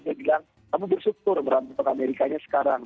dia bilang kamu bersyukur berantem sama amerika nya sekarang